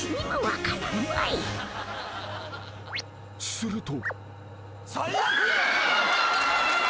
［すると］